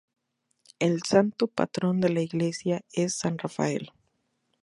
El santo patrón de la iglesia es San Rafael.